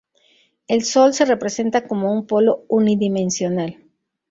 El Sol se representa como un polo unidimensional.